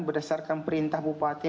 berdasarkan perintah bupati